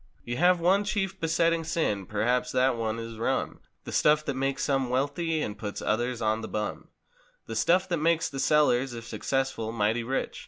You have one chief besetting sin—perhaps that one is "rum," The stuff that makes some wealthy and puts others on the bum; The stuff that makes the sellers, if successful, mighty rich.